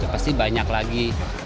pasti banyak lagi